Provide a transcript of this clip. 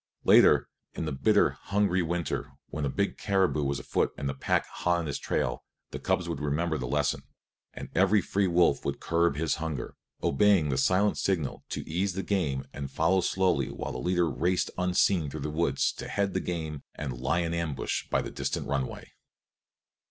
Later, in the bitter, hungry winter, when a big caribou was afoot and the pack hot on his trail, the cubs would remember the lesson, and every free wolf would curb his hunger, obeying the silent signal to ease the game and follow slowly while the leader raced unseen through the woods to head the game and lie in ambush by the distant runway.